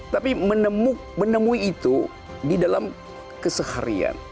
tapi menemui itu di dalam keseharian